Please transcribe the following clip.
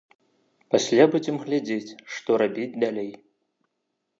Пасля будзем глядзець, што рабіць далей.